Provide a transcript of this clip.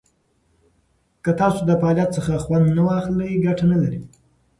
که تاسو د فعالیت څخه خوند نه واخلئ، ګټه نه لري.